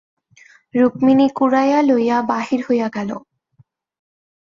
রুক্মিণী কুড়াইয়া লইয়া বাহির হইয়া গেল।